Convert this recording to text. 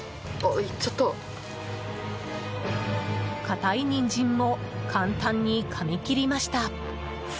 硬いニンジンも簡単にかみ切りました。